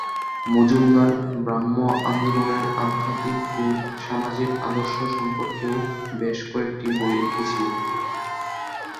মজুমদার ব্রাহ্ম আন্দোলনের আধ্যাত্মিক ও সামাজিক আদর্শ সম্পর্কেও বেশ কয়েকটি বই লিখেছিলেন।